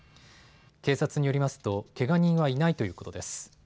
警察によりますとけが人はいないということです。